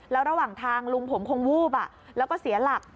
แล้วระหว่างทางลุงผมคงวูบแล้วก็เสียหลัก